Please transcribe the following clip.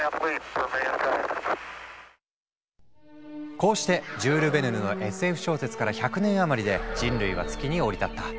こうしてジュール・ヴェルヌのＳＦ小説から１００年余りで人類は月に降り立った。